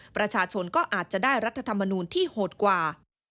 ประชาชนก็อาจจะได้รัฐธรรมนูลที่โหดกว่า